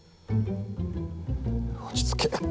落ち着けっ！